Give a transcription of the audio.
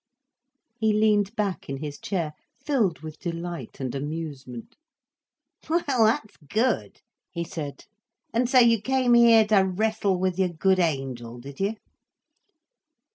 He leaned back in his chair, filled with delight and amusement. "Well, that's good," he said. "And so you came here to wrestle with your good angel, did you?"